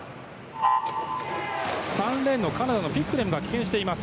３レーンのカナダのピックレムが棄権しています。